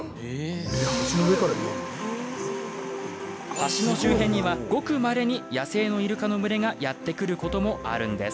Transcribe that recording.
橋の周辺には、ごくまれに野生のイルカの群れがやって来ることもあるんです。